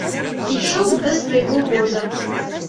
Ішоў да свайго воза.